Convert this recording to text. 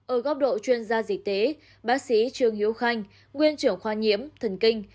ở góc độ chuyên gia dịch tế bác sĩ trương hiếu khanh nguyên trưởng khoa nhiễm thần kinh